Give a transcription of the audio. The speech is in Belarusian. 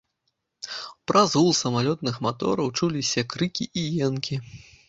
Праз гул самалётных матораў чуліся крыкі і енкі.